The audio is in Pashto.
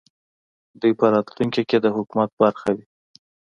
دوی په راتلونکې کې د حکومت برخه وي